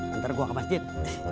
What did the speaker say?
nanti gua ke masjid